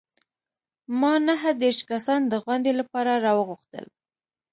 ما نهه دیرش کسان د غونډې لپاره راوغوښتل.